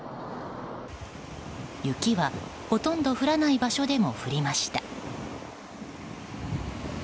雪はほとんど降らない場所でも降りました。